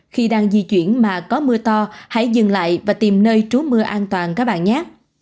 khi đang di chuyển mà có mưa to hãy dừng lại và tìm nơi trú mưa an toàn các bạn nhát